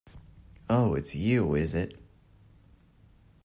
Oh, it's you, is it?